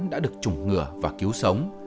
đã được trùng ngừa và cứu sống